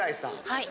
はい。